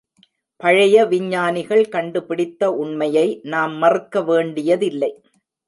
பழைய விஞ்ஞானிகள் கண்டுபிடித்த உண்மையை நாம் மறுக்க வேண்டியதில்லை.